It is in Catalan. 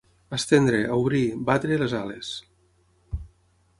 Estendre, obrir, batre, les ales.